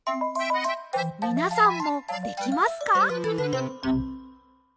みなさんもできますか？